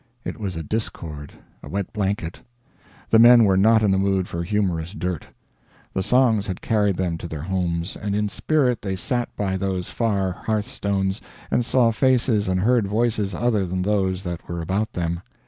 It was a discord, a wet blanket. The men were not in the mood for humorous dirt. The songs had carried them to their homes, and in spirit they sat by those far hearthstones, and saw faces and heard voices other than those that were about them.